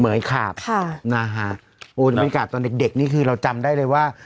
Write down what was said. เหมือนไอ้ขาบค่ะอุ้นเป็นขาบตอนเด็กนี่คือเราจำได้เลยว่า